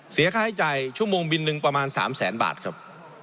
เสียค่าใช้จ่ายชั่วโมงบินหนึ่งประมาณ๓แสนบาทครับ